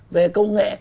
về công nghệ